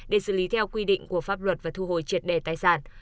để xử lý theo quy định của pháp luật và thu hồi triệt đề tài sản